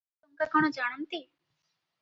ଜାତିଆଣ ଟଙ୍କା କଣ ଜାଣନ୍ତି?